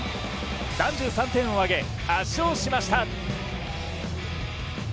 ３３点を挙げ、圧勝しました。